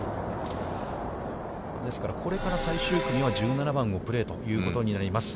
これから最終組は１７番をプレーということになります。